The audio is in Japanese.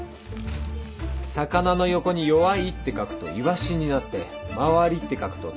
「魚」の横に「弱い」って書くとイワシになって「周り」って書くとタイになる。